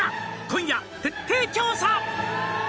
「今夜徹底調査」